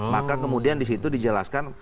maka kemudian di situ dijelaskan